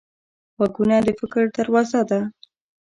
غوږونه د فکر دروازه ده